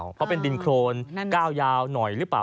เพราะเป็นดินโครนก้าวยาวหน่อยหรือเปล่า